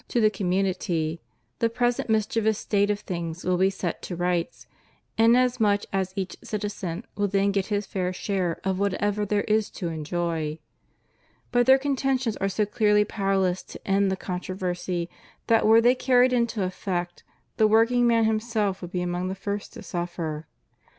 to the community, the present mischievous state of things will be set to rights, inasmuch as each citizen will then get his fair share of whatever there is to enjoy. But their contentions are so clearly powerless to end the contro versy that were they carried into effect the workingman himself would be among the first to suffer.